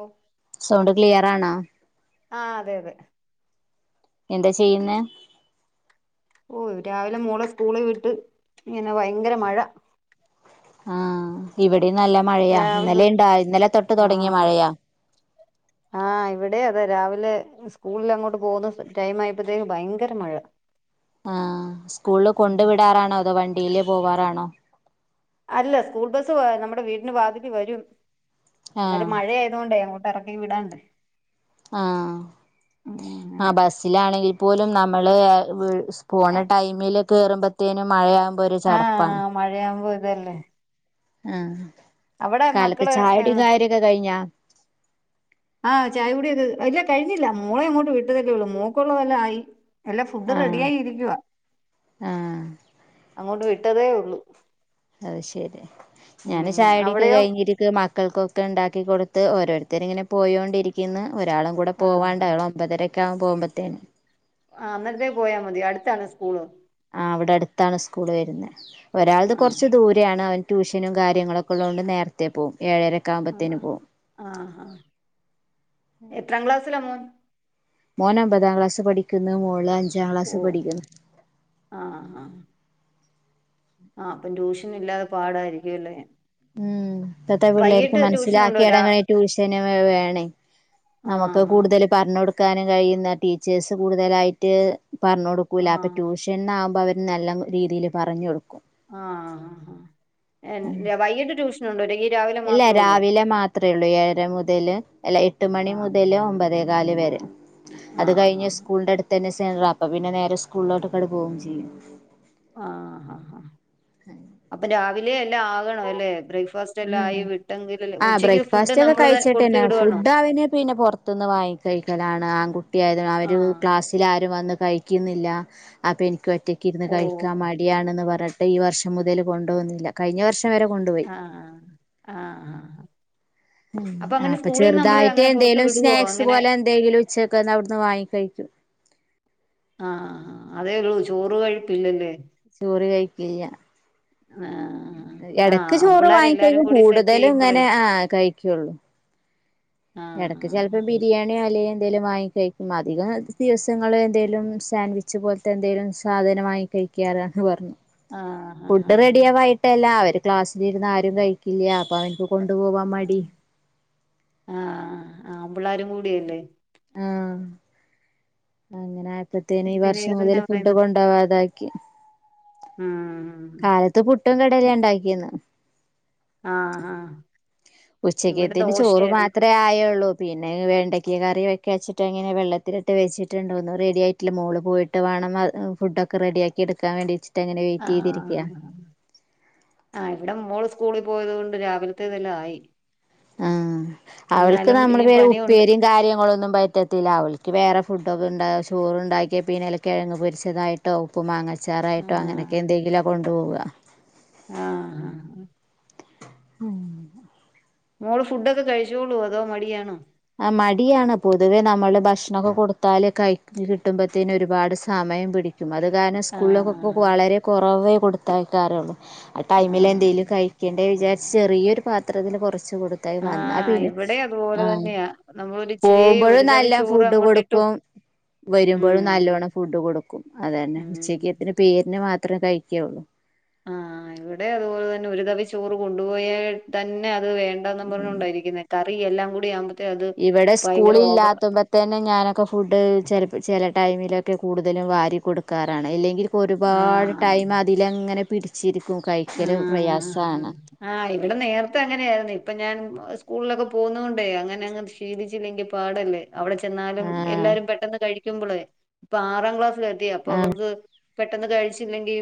ഓ sound clear ആണോ ആഹ് അതെ അതെ എന്താ ചെയ്യുന്നേ ഉം രാവിലെ മോളെ സ്കൂളിൽ വിട്ട് ഇങ്ങനെ ഭയങ്കര മഴ ആഹ് ഇവിടെ നല്ല മഴയാ രാവിലെ ഇന്നലെ ഉണ്ടാ ഇന്നലെ തൊട്ട് തുടങ്ങിയ ആഹ് മഴയാ ആഹ് ഇവിടെ അതെ രാവിലെ സ്കൂളിൽ അങ്ങോട്ട് പോകുന്ന ടൈം ആയപ്പോഴത്തേക്കും ഭയങ്കര മഴ ആഹ് സ്കൂളില് കൊണ്ടു വിടാറാണോ അതോ വണ്ടിയില് പോവാറാണോ അല്ല സ്കൂൾ ബസ് നമ്മുടെ വീടിന് വാതിൽക്കൽ വരും ആഹ് അന്നേരം മഴ ആയതുകൊണ്ട് അങ്ങട്ട് ഇറക്കി വിടണ്ടേ ആഹ് ഉം അങ്ങനെ ആഹ് ബസ്സിലാണെങ്കിൽ പോലും നമ്മള് വീ പോണ ടൈമിൽ കയറുമ്പോൾ തന്നെ മഴയാകുമ്പോ ഒരു ചടപ്പാണ് മഴയാവുമ്പോൾ ഒരു ഇതല്ലേ ആഹ് അവിടെ കാലത്ത് മക്കള് ചായകുടിയും കാര്യൊക്കെ കഴിഞ്ഞാ ആഹ് ചായ കുടിയത് അല്ല കഴിഞ്ഞില്ല മോളെ അങ്ങോട്ട് വിട്ടതല്ലേ ഉള്ളൂ മോൾക്കുള്ളത് എല്ലാം ആയി എല്ലാ ഫുഡ് റെഡി ആഹ് ആയിരിക്കുവാ ആഹ് അങ്ങോട്ട് വിട്ടതേ ഉള്ളു അത് ശരി ഞാന് ചായകുടിയൊക്കെ അവിടെയോ കഴിഞ്ഞി ക്ക് മക്കൾക്കൊക്കെ ഉണ്ടാക്കി കൊടുത്ത് ഓരോരുത്തരിങ്ങനെ പോയി കൊണ്ടിരിക്കുന്നു ഒരാളും കൂടെ പോവൻ ആഹ് ഉണ്ട് അവൾ ഒമ്പതര ഒക്കെ ആകും പോകുമ്പോഴത്തിന് ആഹ് അന്നരത്തേക്ക് പോയാൽ മതി അടുത്താണോ സ്കൂള് ആഹ് ഇവിടെ അടുത്താണ് സ്കൂൾ വരുന്നത് ഒരാൾത് ആഹ് കൊറച്ച് ദൂര താണ് അവൻ ട്യൂഷനും കാര്ങ്ങളൊക്കെ ഉള്ളത് കൊണ്ട് നേരത്തെ പോവും ഏഴര ആഹ് ആഹ് എത്രാം ക്ലാസ്സില മോൻ മോൻ അമ്പതാം ക്ലാസ്സിൽ പഠിക്കുന്നു മോള് അഞ്ചാം ക്ലാസ്സിൽ ഓ പഠിക്കുന്നു ആഹ് ആഹ് ആഹ് ആഹ് അപ്പം ട്യൂഷൻ ഇല്ലാതെ പാടായിരിക്കും അല്ലേ ഉം ഇപ്പോഴത്തെ പിള്ളേർക്ക് ട്യൂഷനുണ്ടോ മനസ്സിലാക്കി രാ ഇടങ്ങണേ ട്യൂഷൻ വേണേ ആഹ് ആഹ് ആഹ് പറഞ്ഞ കൊടുക്കാനും കഴിയുന്ന ടീച്ചേഴ്സ് കൂടുതലായിട്ട് പറഞ്ഞ കൊടുക്കൂല ആഹ് അപ്പൊ ട്യൂഷൻ ണ്ണാ ആകുമ്പോ അവര് നല്ല രീതിൽ പറഞ്ഞ് കൊടുക്കും എൻ വൈകിട്ട് ട്യൂഷനുണ്ടോങ്കി രാവില് ഇല്ല രാവിലെ മാ അത്രയൊള്ളൂ ഏഴര മുതല് അല്ല എട്ട് മണി ആഹ് മുതല് ഒമ്പതേകല് വരെ അത് ആഹ് കഴിഞ്ഞ് ആഹ് സ്കൂളിന്റെ അടുത്ത് തന്നെ സെല് ആപ്പ പിന്നെ നേരെ സ്കൂളിലോട്ട് തന്നെ പോവുകയും ചെയ്യും ആഹ ഹാ അപ്പൊ രാവിലെ എല്ലാം ആകണ അല്ലെ ബ്രേക്ഫാസ്റ്റ് ഉം ആഹ് ബ്രേക്ക്ഫാസ്റ്റ് ഒക്കെ നമ്മള് കൊടുത്തു കഴിച്ചിട്ടെന്നെ വിടുവാണോ ഫുഡ് ആഹ് അവന് പിന്നെ പൊറ് ത്ത്ന്ന് വാങ്ങി കഴിക്കലാണ് ആൺകുട്ടിയായത് അവര് ആഹ് ക്ലാസ് തിൽ ആരും വന്ന് കഴിക്കുന്നില്ല അപ്പം എനിക്ക് ഒറ്റക്ക ഇരുന്ന് ഓ കഴിക്കാൻ മടിയാണെന്ന് പറഞ്ഞ്ട്ട് ഈ വർഷം മുതൽ കൊണ്ട പോകുന്നില്ല കഴിഞ്ഞ വർഷം വരെ കൊണ്ടുപോയി ആഹാ ഉം ആഹ് അപ്പൊ ചെറുതായിട്ട് അങ്ങനെ പുറത്ത് എന്തെങ്കലും വിടുവോ സ്നാക്സ് അങ്ങനെ പോലെ എന്തെങ്കിലും ഉച്ചക്കന്ന് അവിടുന്ന് വാങ്ങി കഴിക്കും ആഹാ അതേള്ളൂ ചോറ് കഴിപ്പില്ലലേ ചോറ് കഴിക്കില്ല [unintelligible] ആഹ് എടക്ക് ചോറ് വാങ്ങിക്കഴിക്കും കൂടി സെറ്റ് കൂടുതലും ചെയ്യുമ്പളേ ഇങ്ങനെ ആഹ് കഴിക്കൊള്ളൂ ആ എടക്ക് ചെലപ്പോ ബിരിയാണി അല്ല എന്തേലും വാങ്ങി കഴിക്കും അധികം ദിവസങ്ങൾ എന്തേലും സാൻഡ് ച്ച പോലത്തെ എന്തേലും സാധന വങ്ങി കഴിക്കാനെന്ന് പറഞ്ഞു ആ ആ ഫുഡ് റെഡിയാവായിട്ടല്ല അവര് ക്ലാസ്സിലിരുന്ന് ആരും കഴിക്കില്ല അപ്പൊ അവരും കൊണ്ടു പോവാൻ മടി ആഹ് ആൻപിള്ളാരും കൂടിയല്ലേ ആഹ് അങ്ങനെ ആയപ്പോത്തേെനെ ഈ പിന്നെ വർഷം മുതൽ വേറെന്നാ ഫുഡ് പറയുന്നെ കൊണ്ടവാ താക്കി ഉം കാലത്ത് പുട്ടും കടലിം ഉണ്ടാക്കീനെ ആഹ് ഹാ ഉച്ചക്കേത്തിന് ചോറ് മാത്രേ ആയൊള്ളൂ പിന്നെ വേണ്ടയ്ക്ക കറി വെക്ക വച്ചിട്ട് അങ്ങനെ വെള്ളത്തിലിട്ട് വെച്ചിട്ടുണ്ട്ന്നും റെഡിയയിട്ടില്ല മോള് പോയി ട്ട് വേണം ഫുഡക്കെ റെഡിയാക്കി എടുക്കൻേണ്ടി വിച്ചിട്ട് അങ്ങനെ ആ വെയിറ്റ്്തിരിക്ക ആഹ് ഇവിടെ മോൾ സ്കൂളിൽ പോയതോണ്ട് രാവിലത്തെതെല്ലാം ആയി ആഹ് അവൾക്ക് എന്നാലും നമ്മള് ഇനിയും പേര് പണിയുണ്ട് ഉപ്പേരി കാര്യങ്ങളൊന്നും പറ്റത്തില്ല അവൾക്ക് വേറെ ഫുഡൊക്കെണ്ട ചോറ് ഉണ്ടാക്കിയാ പിന്നെലെ കിഴങ്ങ് പൊരിച്ചതായി ട്ടോ ഉപ്പ് ആ മാങ്ങച്ചാറായിട്ടോ അങ്ങനെയൊക്കെ എന്തെങ്കിലും ആ കൊണ്ട്പോവ ആഹ് ഉം മോള് ഫുഡ്ക്കെ കഴിച്ചോളൂ അതോ മടിയണോ ആഹ് മടിയാണ് പൊതുവെ നമ്മള് ഭക്ഷണൊക്കെ കൊടുത്താൽ കഴിച്ചു കിട്ടുമ്പോത്തേന് ഒരുപാട് സമയം പിടിക്കും അത് കാരണം സ്കൂളലൊക്കെ ആ വളരെ കുറവേ കൊടുത്തയക്കാറൊള്ളൂ ആ ടൈമിൽ ആഹ് എന്തെങ്കിലും കഴിക്കേണ്ട വിചാരിച്ച് ചെറിയൊരു പാത്രത്തിന് കൊറച്ച് കൊടുക്ക യ്ത്ത വന്നാ ആഹ് പിന്നെ ഇവിടെ അതുപോലെ ആഹ് തന്നെയാ നമ്മളൊരു ഇച്ചിരി ഒരു പോവുമ്പോഴും തവി നല്ലാം ചോറ് ഫുഡ് അങ്ങോട്ടിട്ടു കൊടുക്കും വരുമ്പോഴും ഉം നല്ലോണം ഫുഡ് കൊടുക്കും അതന്നെ ഉം ഉച്ചക്ക്ത്തിന് പേരിനെ മാത്രമേ കഴിക്കെള്ളൂ ആഹ് ഇവിടെ അതുപോലെ തന്നെ ഒരു തവി ചോറ് കൊണ്ടുപോയാ തന്നെ അത് വേണ്ടന്ന് പറഞ്ഞോണ്ടായിരിക്കുന്ന കറി എല്ലാം കൂടി ആവുമ്പ ഇവിടെ സ്കൂളില്ലാത്തപ തനെ ഞാനൊക്കെ ഫുഡ് ചെല ചെല ടൈമിലൊക്കെ കൂടുതലും വാരി കൊടുക്കാറാണ് ഇല്ലെങ്കിൽ അപ്പോൾ ഒരുപാട് ആഹ് ടൈം അതിലങ്ങനെ പിടിച്ചിരിക്കും കഴിക്കല് ആഹ് പ്രയാസാണ് ആഹ് ഇവിടെ നേരത്തെ അങ്ങനെയായിരുന്നു ഇപ്പൊ ഞാൻ സ്കൂളിലൊക്കെ പോകുന്നണ്ടേ അങ്ങനെ നങ്ങ് ശീലിച്ചില്ലെങ്കിൽ പാടല്ലേ അവിടെ ചെന്നാലും ആഹ് എല്ലാരും പെട്ടെന്ന് കഴിക്കുമ്പളേ ഇപ്പൊ ആറാം ക്ലാസ്സില എത്തിയ അപ്പൊ ആഹ് അവർക്ക് പെട്ടെന്ന് കഴിച്ചില്ലെങ്കി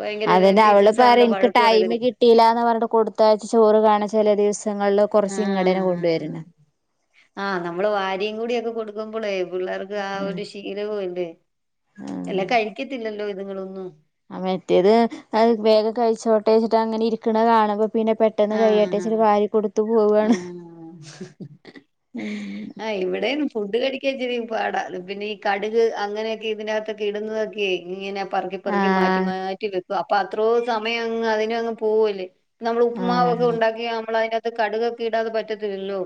വയങ്കരര് [unintelligible] പറേ ൻക്ക് ടൈം കിട് ട്ടീലാന്ന് പറഞ്ട്ട് കൊടുത്തയ്ച്ച ചോറ് കാണ ചെലേ ദിവസങ്ങൾ കൊർച്ച് ഇങ്ങടന്നെ കൊണ്ട് ആഹ് വെര്ണ് ആഹ് നമ്മള് വാരിയും കൂടി ഒക്കെ കൊടുക്കുമ്പോളേ പിള്ളേർക്ക് ആ ഉം ഒരു ശീലവുമില്ലേ എല്ല കഴിക്കത്തില്ലല്ലോ ഇത്ങ്ങളൊന്നും ആഹ് മറ്റേത്ത് അത് വേഗം കഴിച്ചോട്ടേ ച്ചിട്ട് അങ്ങനെ ഇരിക്കണ കാണുമ്പോ പിന്നെ പെട്ട് ട്ടെന്ന് കഴിയട്ടെച്ച്ട്ട് വാരി കൊടു ആ. ഹ്. ആ ഇവിടേം ഫുഡ് കഴിക്കാൻ ഇച്ചിരി പാടാ പിന്നെ ഈ കട്ക് അങ്ങനെയൊക്കെയിതിനകത്തൊക്കെയിടുന്നതൊക്കേ ഇങ്ങനെ പർക്കിപ്പർക്കി ആഹ് മാറ്റിമാറ്റി വെക്കും അപ്പൊ അത്രോ സമയങ്ങ് അതിനങ്ങ് പോവല്ലേ നമ്മള് ഉപ്പ്മാവൊക്കെ ആഹ് ഉണ്ടാക്കിയാ നമ്മളയിനകത്ത് കടുകൊക്കെ ഇട അത് പറ്റത്തില്ലോ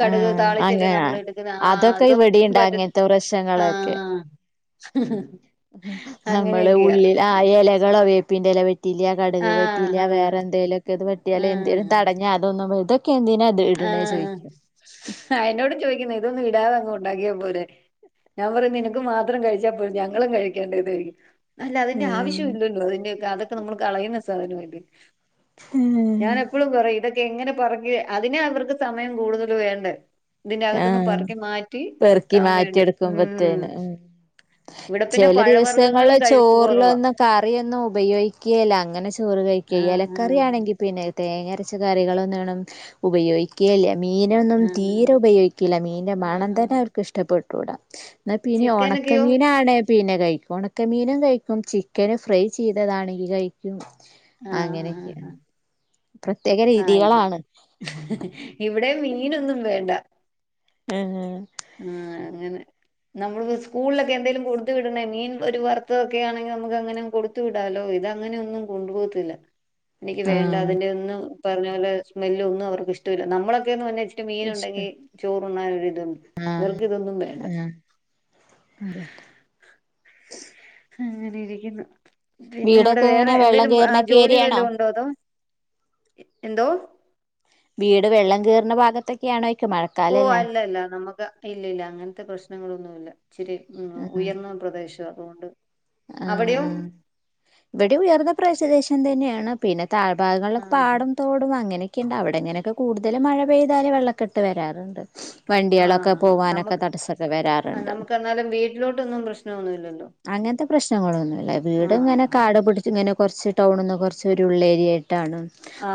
കട്ക് ആഹ് താളിച്ചല്ലെ അങ്ങന നമ്മള്എടുക്കുന്നേ ആഹ് അതൊക്കെ ഇവിടെണ്ട് അതൊന്നുമ്പറ്റത്തി അങ്ങനത്തെ പ്രശ്നങ്ങളൊക്കെ ആഹ് [unintelligible] നമ്മള് അങ്ങനെയൊക്കെയാ ഉള്ളിലായെലകളോ വേപ്പിന്റെല വെറ്റില്യ കടക് പറ്റീല്ല ആഹ് വേറെ ന്തെലൊക്കെ ത് പറ്റിയാല് ന്തെലും ആഹ് തടഞ്ഞാ അതൊന്നു തൊക്കെന്തിനാ ആഹ് അയ്നോട് ചോയ്ക്ക്ന്നെ ഇതൊന്നു ഇടാതങ്ങ് ണ്ടാക്കിയാ പോരെ ഞാമ്പറയും നിനക്ക് മാത്രം കഴിച്ചാപ്പോര ഞങ്ങളും കഴിക്കട്ടേന്ന് അല്ല അതിന്റെ ഉം ആവശ്യവില്ലല്ലോ അതിന്റെഒക്കെ അതൊക്കെ നമ്മള് കളയുന്ന സാധനവല്ലേ ഉം ഞാനെപ്പളുംമ്പറയും ഇതൊക്കെയെങ്ങനെ പറക്കി അതിനെയവർക്ക് സമയം കൂടുതല് വേണ്ടേ തിന്റകത്ത്ന്ന് ആഹ് പർക്കി മാറ്റി പെറുക്കി വെക്കാംവേണ്ട് മ്മ് ചെലെ ദിവസങ്ങള് കഴിപ്പ് കുറവാ ചോറിലൊന്നും കറിയൊന്നും ഉപയോഗിക്കേല അങ്ങനെ ചോറ് കഴി ആ ഈയെലക്കറിയാണെങ്കി പിന്നെ തേങ്ങരച്ചകറികളൊന്നും വേണം ഉപയോഗിക്കേല്ല മീനൊന്നും ആ തീരെ ഉപയോഗിക്കില്ല മീന്റെ ആ ആ മണന്തന്നെ അവർക്കിഷ്ടപ്പെട്ടൂടാ ന്ന പിന്നെ ചിക്കനൊക്കെയോ ഉണക്കമീനാണേ പിന്നെ കയിക്കു ഒണക്കമീനുങ്കഴിക്കും ചിക്കന് ഫ്രൈ ചീതതാണെങ്കി കയി അങ്ങനൊക്ക ആഹ് ഇപ്പ ഇവിടേം മീനൊന്നും വേണ്ട ആഹ് ആഹ് അങ്ങനെ നമ്മള് വുസ്കൂൾലൊക്കെ എന്തെലും കൊടുത് വിടണേ മീൻ ഒരു വറുത്തതൊക്കെ ആണെങ്കി നമക്കങ്ങനങ്ങ് കൊട് ത്തു വിടാലോ ഇതങ്ങന്യോന്നും കൊണ്ടു പോത്തില്ല [inaudible] നിക്ക് വേണ്ട ആഹ് അതിന്റെ ഒന്നു പറഞ്ഞ പോലെ സ്മെല്ലൊന്നു അവർക്കിഷ്ടവില്ല നമ്മളൊക്കെന്ന് പഞ [unintelligible] ഇഷ്ടം മീനുണ്ടെങ്കി ചോറുണ്ണാനോരിതും ഇവർക്കിതൊന്നും വേണ്ട ആഹ് അതെ അങ്ങനെരിക്കുന്നു പിന്നെ അവടെ വീടൊക്കെ വേറെ എങ്ങനെ വെള്ളം എന്തേലും ബ കേറുന്നൊക്കെ ജോലി ഏരിയാണോ? വല്ലോ ണ്ടോ അതോ എന്തോ വീട് വെള്ളം കേറ്ണെ ഭാഗത്തൊക്കെയണോയ്ക്ക മഴ ഓ അല്ലല്ല നമുക്ക് ഇല്ലില്ല അങ്ങൻത്ത പ്രശ്നങ്ങളൊന്നുവില്ല ച്ചിരി ഉം ആഹ് ഉയർന്ന പ്രദേശ അതോണ്ട് അവിടെയോ വടീം ഉയർന്ന പ്രശദേശം തന്നേണ് പിന്നെ ആ താഴ്ഭാഗങ്ങൾലൊക്കെ പാടം ത്തോടു അങ്ങനൊക്കിണ്ട് അവിടങ്ങനൊക്കെ കൂട്തല് മഴ പെയ്താല് വെള്ളക്കെട്ട് വരാറ്ണ്ട് ആ വണ്ടിയാളൊക്കെ പോവാനൊക്ക നമുക്ക് തടസ്സൊക്കെ വരാറ്ണ്ട് നമുക്കെന്നാലും വീട്ടിലോട്ടൊന്നും പ്രശ്നമൊന്നുമില്ലല്ലോ അങ്ങൻത്തെ പ്രശ്നങ്ങളൊന്നുമല്ല വീട് ങ്ങനെ ആഹ് കാട് പുട്ച്ച് ങ്ങനെ കൊർച്ച് ടൗണ്ന്ന് കൊർചൊരു ഉള്ളേരിയേട്ടാണ്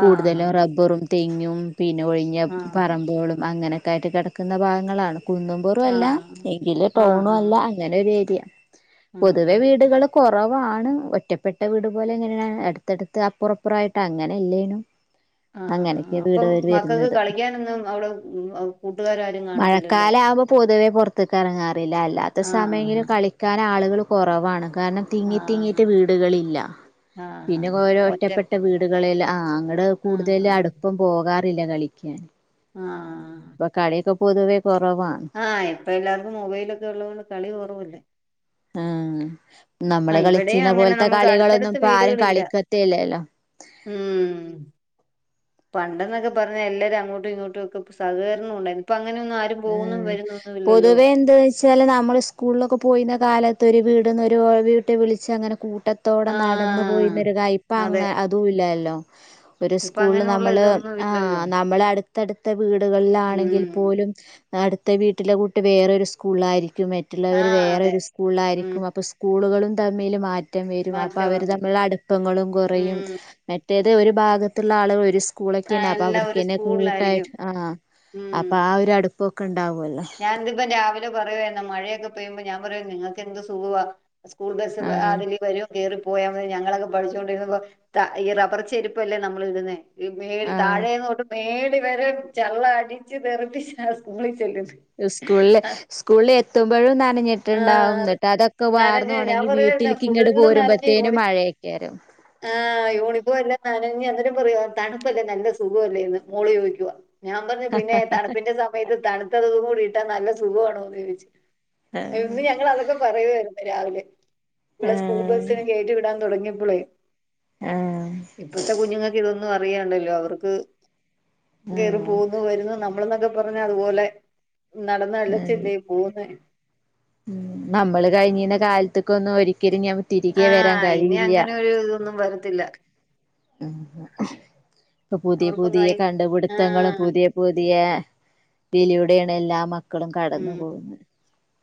കൂടുതലും റബ്ബറും തെങ്യും പിന്നെ ഒഴിഞ്ഞ ആഹ് പറമ്പേളും അങ്ങനെക്കായ്റ്റ് കെട ക്കുന്ന ഭാങ്ങളാണ് കുന്നമ്പൊറോ അല്ല ആഹ് എങ്കില് ടൗണു അല്ല അങ്ങനൊരേര്യ ഉം തുവെ വീട്കള് കൊറവാണ് ഒറ്റപ്പെട്ട വീട് പോലെ ങ്ങനെണ് എട്ത്തടുത്ത് അപ്പറ പ്രായ്ട്ടങ്ങനല്ലേനും ആഹ് അപ്പം മക്കക്ക് കളിക്കാനൊന്നും അവ്ടെ കൂട്ടുകാരാരും കാണത്തില്ലല്ലേ പൊത് വെ പുറത്ത്‌ക്ക് എറങ്ങാറില്ല അല്ലാത്ത ആഹ് സമയ്ങ്കിലും കളിക്കാനാള്കള് കൊറവാണ് കാരണം തിങ്ങി ആഹ് തിങ്ങീട്ട് വീട്കളില്ല പിന്നെ ആഹ് ഓരോ ഒറ്റ ഒറ്റപ്പെട്ട വീടുകളെല ആഹ് ഇവട കൂടുതല് ആഹ് അടുപ്പം പോകാറില്ല കളിക്കാൻ ആഹ് ആഹ് ഇപ്പ കളിയ്ക്കെ പൊതുവേ തൊറവാണ് ആഹ് ഇപ്പ എല്ലാർക്കും മൊബൈലൊക്കെ ഒള്ളത് കൊണ്ട് കളി കൊറവല്ലേ ആഹ് നമ്മള് ആഹ് ഇവിടെയും കളിച്ചീന്ന അങ്ങനെ പോൽത്ത നമുക്ക് കളികളൊന്നും അടുത്തടുത്ത് ഇപ്പ ആരും വീടുകളില്ല കളിക്കത്തില്ലല്ലോ ഉം പണ്ടെന്നക്കെ പറഞ്ഞാ എല്ലരും അങ്ങോട്ടും ഇങ്ങോട്ടും ഒക്ക സഹകരണം ഉണ്ടാരുന്നു പ്പ അങ്ങനെ ഒന്നുംആരും ഉം പൊതുവെ എന്തോന്ന വച്ചൽ നമ്മള് സ്കൂളിലൊക്കെ പോയിന്ന കാലത്ത് ഒരു വീട്ന്ന് ഒരു വീട്ടിൽ വിളിച്ചച്ച് അങ്ങനെ കൂട്ട ത്തോട നടന്ന് ആഹ് പോയിരുന്നൊരു ത ഇപ്പ അതെ അ അതൂല്ലല്ലോ ഒര് ഇപ്പൊ സ്കൂള്ള് അങ്ങനെയുള്ള നമ്മള് ഇതൊന്നും ഇല്ലല്ലോ ആഹ് നമ്മള് അടുത്തടുത്ത വീടുകളിലാണെങ്കിൽ ഉം പോലും അടുത്ത വീട്ടിലെ കുട്ടി വേറൊര് സ്കൂള ആയിരിക്കുമെ മറ്റുള്ളവര് ആഹ് അതെ വേറൊരു ഉം സ്കൂൾലായിരിക്കും അപ്പൊ സ്കൂളുകളും തമ്മില് മാറ്റ റ്റം വരും അപ്പൊ അവര് മാറ്റമുണ്ട് തമ്മില്ള്ള അടുപ്പങ്ങളും കുറയും ഉം മറ്റേത് ഒരു ഭാഗത്തുള്ള ആളുകള് ഒര്സ് സ്കൂളക്കെ ഇണ്ട ആഹ് അപ്പ എല്ലാം ഒരു അവിട്ക്കെന്നെ സ്കൂളിലായിരിക്കും കൂട്ടായിട്ട് ആഹ് അപ്പ ആഹ് ഒരു അടുപ്പൊക്ക ഇണ്ടാവുല്ലോ അല്ലോ ഞാൻ ഇതിപ്പ രാവിലെ പറയുവാരുന്ന് മഴയൊക്കെ പെയ്യുമ്പോ ഞാൻ പറയും നിങ്ങക്ക് എന്ത് സുഖമാ സ്കൂൾ ബസ്സ് ആ രാവിലെ വരും കേറിപ്പോയാ മതി ഞങ്ങളൊക്ക പഠിച്ചോണ്ടിരുന്നപ്പം ത ഈ റബറ് ചെരിപ്പല്ലേ നമ്മള് ഇടുന്നേ ഇ മേൽ ആ താഴെന്ന് തൊട്ട് മേളി വരെ ചെള്ള് അടിച്ച് തെറപ്പിച്ച് ഞങ്ങള് സ്കൂളി ചെല്ലും സ്കൂൾലെ സ്കൂൾലെത്തുമ്പോഴും നനഞ്ഞിട്ടുണ്ടാവും ആഹ് എന്നിട്ട് അതൊക്കെ വാർന്ന് നനഞ്ഞ് ഞാൻ ഒണെങ്കി പറയുവായിരുന്നു വീട്ടിലിക്ക് ഇങ്ങട് ഫുള്ള് പോരുമ്പ നനഞ്ഞ് പെരും ഓടി മഴയെക്കെ ആര്ന്ന് ആഹ് യൂണിഫോം എല്ലാം നനഞ്ഞ് അന്നെരം പറയുവ തണുപ്പല്ലേ നല്ല സുഖോല്ലെന്ന് മോള് ചോയിക്കുവ ഞാം പറഞ്ഞ് പിന്നെ തണുപ്പിന്റ സമയത്ത് തണുത്തതും കൂടി ഇട്ടാ നല്ല സുഖോണോന്ന് ചോയിച്ച് ആ എന്നും ഞങ്ങളതൊക്ക പറയുവാര്ന്ന് രാവിലെ ഇവളെ സ്കൂൾബസ്സിന് കേറ്റി വിടാൻ തുടങ്ങിയപ്പളെ ആ ആ ഇപ്പത്തെ കുഞ്ഞുങ്ങക്ക് ഇതൊന്നു ന്നും അറിയെണ്ടല്ലോ അവർക്ക് കെറി പോന്ന് വര്ന്ന് നമ്മൾന്നൊക്കെ പറഞ്ഞ അതുപോലെ ആ നടന്നലച്ചല്ലേ പോകുന്നെ ഉം നമ്മള് കഴിഞ്ഞീന്ന കാലത്ത്ക്കൊന്നും ഒരിക്കലും ഞാൻ തിരികെ വരാൻ ആഹ് ഇനി കഴിയില്ല അങ്ങനെ ഒരു ഇതൊന്നും വരത്തില്ല ഉം ഇപ്പൊ പുതിയ അവർക്കൊന്നും പുതിയ ആയി കണ്ട്പിടുത്തങ്ങളും ആഹ് പുതിയ പുതിയ തിലൂടെയാണ് എല്ലാ മക്കളും കടന്നു പോകുന്ന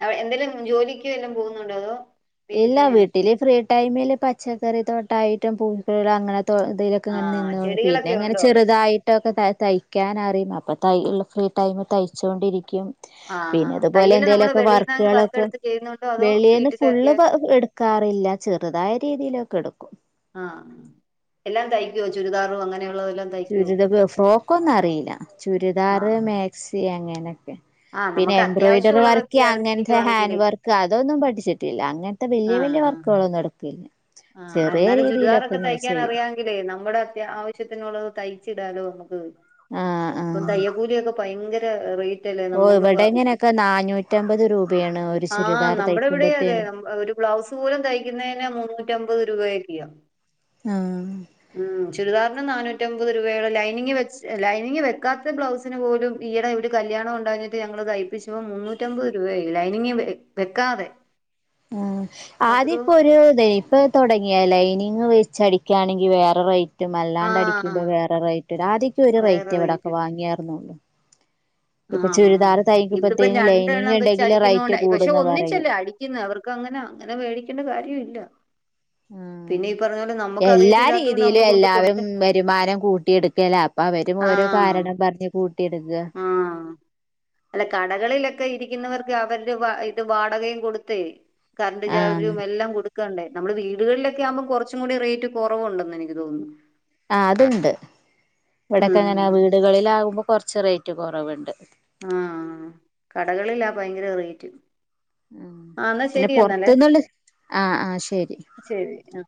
അവട എന്തേലും ജോലിക്ക് വെല്ലോം പോകുന്നുണ്ടോ അതോ വീട്ടിൽ ഇല്ല തന്നെ വീട്ടില് ഫ്രീ ടൈമില് പച്ചക്കറി തൊട്ടായിട്ടും പൂക്കള് അങ്ങനതോ ഇതില് ക്ക അങ്ങന ആഹ് നിന്ന് പോണ് പിന്നെ ചെടികളൊക്കെ അങ്ങനെ ഉണ്ടോ ചെറ്തായി ട്ടൊക്കെ ത തയ്ക്കാനറിയും അപ്പ തയ്യലുള്ള ഫ്രീ ടൈമി തയ്ച്ചൊണ്ടിരിക്കും ആഹ് ആഹ് പിന്നെതുപോലെ തയ്യല് നമ്മള് എന്തേലൊക്കെ വെളീന്നങ്ങ് വർക്കുകളെക്ക വർക്കെടുത്ത് ചെയ്യുന്നുണ്ടോ അതോ വെളീന്ന് വീട്ടിലെ ഫുള്ള് പ അത്യാവശ്യം എടുക്കാറില്ല ചെറുതായ രീതിയിലൊക്കെ എടുക്കും ആഹ് എല്ലാം തയ്ക്കുവോ ചുരിദാറും അങ്ങനെയുള്ളതെല്ലാം തയ്ക്കുവോ ചുരിദ ഫോ ഫ്രോക്കൊന്ന അറിയില്ല ചുരിദാർ ആഹ് മാക്സി അങ്ങനെയെക്കെ ആഹ് പിന്നെ നമുക്ക് എംബ്രോയിഡറി വർക്ക് അത്യാവശ്യമുള്ളതൊക്കെ അങ്ങൻത്തെ ഹാൻഡ് അറിഞ്ഞിരിക്കുവാണെങ്കിലേ വർ ക്ക് അതൊന്നും പഠിച്ചിട്ടില്ല അങ്ങൻത്തെ വല്യ ആഹ് വല്യ വർക്ക്കളൊന്നും എടുക്കില്ല ചെറിയ രീതിയിലൊക്ക ഇങ്ങനെ ചെയ്യും എന്നങ്കിലെ നമ്മടെ അത്യാ ആവശ്യത്ത്നുള്ളത് തയ്ച്ച് ഇടാലോ നമുക്ക് ആഹ് ഇപ്പം ആഹ് തയ്യക്കൂലിയോക്ക ഭയങ്കര റേ റ്റല്ലേ ഓ നമ്മള് പ ഇവിടെ ഇങ്ങനെയൊക്കെ നാനൂറ്റമ്പത് രൂപയാണ് ഒരു ആഹ് ചുരിദാർ നമ്മട ഇവ്ടെയും അതെ തയ്ക്കുമ്പോത്തേനും നം ഒരു ബ്ലൗസ് പോലും തയ്ക്കുന്നെന് മുന്നൂറ്റമ്പത് രൂപയെക്കെയാ ആഹ് ഉം ചുരിദാറിണ് നാനൂറ്റംമ്പത് രൂപയും ലൈനിങ് വെച്ച് ലൈനിങ് വെക്കാത്ത ബ്ലൗസ് ത്തിന്പോലും ഈയടെ ഒരുകല്യാണം ഉണ്ടാഞ്ഞിട്ട് ഞങ്ങള് തൈപ്പിച്ചുമ്പോ മുന്നൂറ്റമ്പത് രൂപായി ലൈനിങ്ങ് വെക്കാതെ മ് അത്രയും ആദ്യംപ്പൊരു ഇതെയ് ഇപ്പ തൊടങ്ങിയ ലൈനിങ് വെച്ചടിക്കിണെങ്കി വേറെ റേ റ്റും അല്ലാണ്ട് ആഹ് അടിക്കുമ്പോ വേറെ റേറ്റ് ആദ്യക്കൊരു വേറെ റേയ്റ്റ് ഇവ്ടൊക്കെ റേറ്റ് വാങ്ങിയാർന്നുള്ളൂ ആഹ് ഇതിപ്പ തയ്ക്കുമ്പത്തേന് ലൈനിങ് രണ്ടെണ്ണം വെച്ച് ഉണ്ടെങ്കില് റൈറ്റ് അടിക്കുന്നൊണ്ടായി പക്ഷെ കൂടുന്ന് പറയും ഒന്നിച്ചല്ലേ അടി ക്കിന്നഅ വർക്ക് അങ്ങനെ അങ്ങനെ വേടിക്ക്ണ്ട കാര്യം ഇല്ല പിന്നെ ഈ പറ എല്ലാരീതിയിലു എല്ലാരും വരുമാനം കൂട്ടി എടുക്കല അപ്പൊ അവരും ഓരോ ആഹ് കാരണം പറഞ്ഞ് കൂട്ടിയെടുക്ക ആഹ് അല്ല കടകളിലൊക്കെ ഇരിക്കുന്നവർക്ക് അവര്ടെ ഇത് വാടകയും കൊടുത്തെ കര്ണ്ട് ആഹ് ചാർജും എല്ലാം കൊട് ക്കണ്ടേ നമ്മ്ളെ വീടുകളിലൊക്കെയാവുമ്പോം കുറച്ചും കൂടി റേറ്റ് കൊറവുണ്ടെന്ന് എനിക്ക് തോന്ന്ന്നു. ആഹ് അത്ണ്ട് ഇവ്ടക്കങ്ങനെ ഉം വീടുകളിലാവുമ്പോ കൊറച്ച് റേറ്റ് കൊറവ്ണ്ട്. ആഹ് കടകളിലാ ഭയങ്കര റേയ്റ്റ് ഉം പിന്നെ പൊറ്ത്ത്ന്നള്ള ആഹ് ആഹ് ശരി ശരി ആ